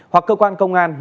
hoặc cơ quan công an